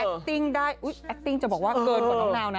ติ้งได้แอคติ้งจะบอกว่าเกินกว่าน้องนาวนะ